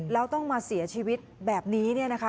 แล้วต้องมาเสียชีวิตแบบนี้เนี่ยนะคะ